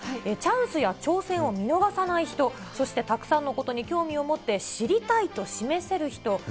チャンスや挑戦を見逃さない人、そしてたくさんのことに興味を持って、知りたいと示せる人。